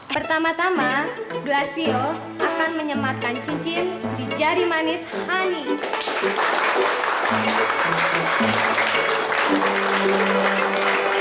pertama tama duasio akan menyematkan cincin di jari manis honey